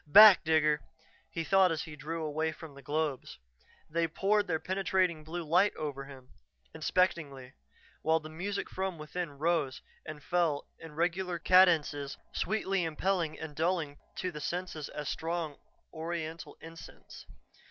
"Back, Digger!" he thought as he drew away from the globes. They poured their penetrating blue light over him, inspectingly, while the music from within rose and fell in regular cadences, sweetly impelling and dulling to the senses as strong oriental incense.